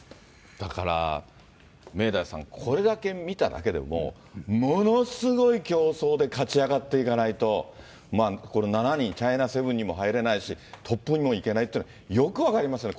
だから、明大さん、これだけ見ただけでも、ものすごい競争で勝ち上がっていかないと、この７人、チャイナセブンにも入れないし、トップにも行けないっていうのがよく分かりますよね。